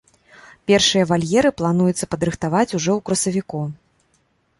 Першыя вальеры плануецца падрыхтаваць ужо ў красавіку.